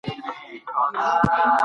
تاسو باید له خپلو ملګرو سره ښه چلند وکړئ.